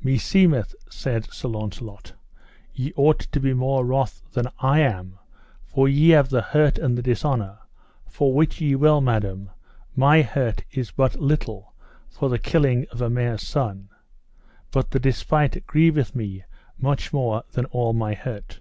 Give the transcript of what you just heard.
Meseemeth, said Sir Launcelot, ye ought to be more wroth than I am, for ye have the hurt and the dishonour, for wit ye well, madam, my hurt is but little for the killing of a mare's son, but the despite grieveth me much more than all my hurt.